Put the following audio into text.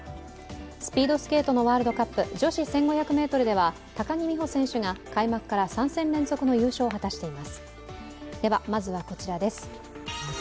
スピードスケート、女子１５００ｍでは高木美帆選手が開幕から３戦連続の優勝を果たしています。